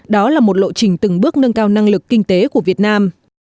đó là một lộ trình từng bước nâng cao năng lực kinh tế của việt nam